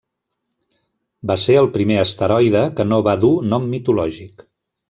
Va ser el primer asteroide que no va dur nom mitològic.